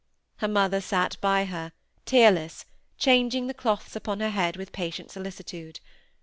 Her mother sate by her, tearless, changing the cloths upon her head with patient solicitude.